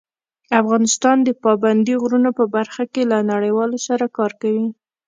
افغانستان د پابندي غرونو په برخه کې له نړیوالو سره کار کوي.